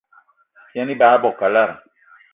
Yen ebag i bo kalada